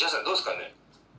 どうですかね？」。